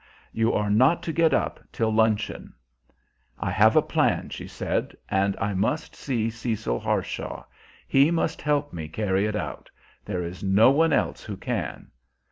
You are not to get up till luncheon." "I have a plan," she said, "and I must see Cecil Harshaw; he must help me carry it out. There is no one else who can."